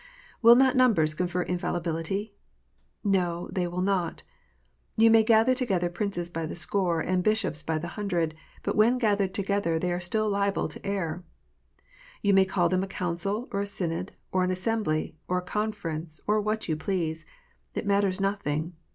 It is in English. Will not numbers confer infallibility 1 Xo : they will not ! You may gather together princes by the score, and bishops by the hundred ; but, when gathered together, they are still liable to err. You may call them a council, or a synod, or an assembly, or a conference, or what you please. It matters nothing.